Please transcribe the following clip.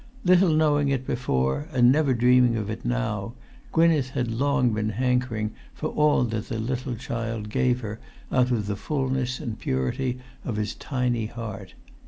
Little knowing it before, and never dreaming of it now, Gwynneth had long been hankering for all that the little child gave her out of the fulness and purity of his tiny heart.